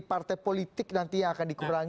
partai politik nanti yang akan dikurangi